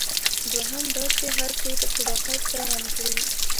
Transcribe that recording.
دوهم دا چې هر څه یې په صداقت بیان کړي.